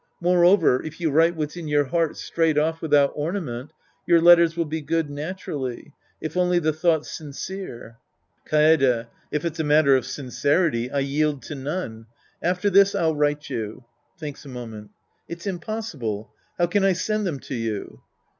Moreover, if you write what's in your heart straight off without orna ment, your letters will be good naturally. If only the thought's sincere. Kaede. If it's a matter of sincerity, I yield to none. After this I'll write you. {TJiinks a moment^ It's impossible. How can I send them to you.